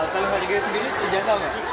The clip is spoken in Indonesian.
kalau asean games sendiri itu jangka nggak